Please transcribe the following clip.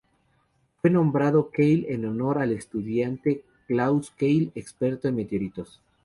Fue nombrado Keil en honor al estadounidense Klaus Keil experto en meteoritos.